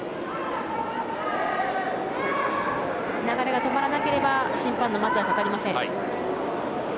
流れが止まらなければ審判の待てはかかりません。